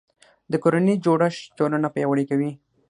د کورنۍ جوړښت ټولنه پیاوړې کوي